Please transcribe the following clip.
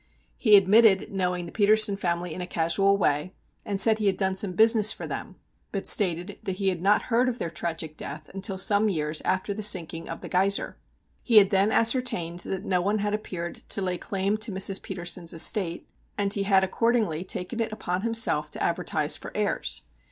He admitted knowing the Petersen family in a casual way, and said he had done some business for them, but stated that he had not heard of their tragic death until some years after the sinking of the Geiser. He had then ascertained that no one had appeared to lay claim to Mrs. Petersen's estate, and he had accordingly taken it upon himself to adveritse for heirs.